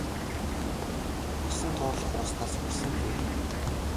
Тосон туулга ууснаас үхсэн нь дээр.